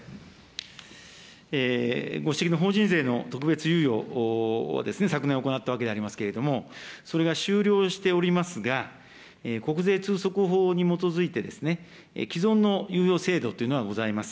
ご指摘の法人税の特別猶予、昨年行ったわけでありますけれども、それが終了しておりますが、国税通則法に基づいて、既存の猶予制度というのがございます。